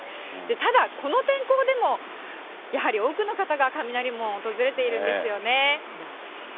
ただ、この天候でもやはり多くの方が雷門を訪れているんですよね。